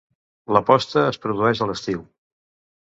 La posta es produeix a l'estiu.